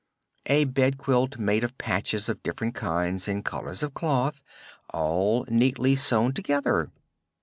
"A bed quilt made of patches of different kinds and colors of cloth, all neatly sewed together.